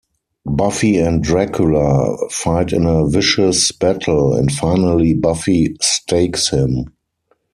Buffy and Dracula fight in a vicious battle, and finally Buffy stakes him.